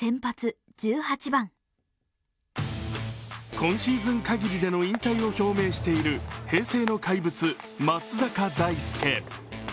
今シーズン限りでの引退を表明している平成の怪物、松坂大輔。